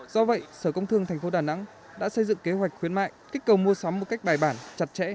do vậy sở công thương tp đà nẵng đã xây dựng kế hoạch khuyến mại kích cầu mua sắm một cách bài bản chặt chẽ